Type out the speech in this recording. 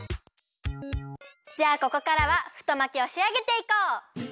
じゃあここからは太巻きをしあげていこう！